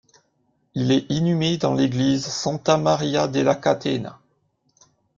Il est inhumé dans l'église Santa Maria della Catena.